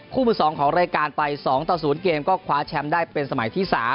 มือ๒ของรายการไป๒ต่อ๐เกมก็คว้าแชมป์ได้เป็นสมัยที่๓